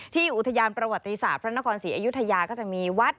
อุทยานประวัติศาสตร์พระนครศรีอยุธยาก็จะมีวัด